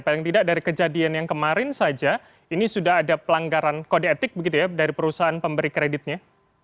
paling tidak dari kejadian yang kemarin saja ini sudah ada pelanggaran kode etik begitu ya dari perusahaan pemberi kreditnya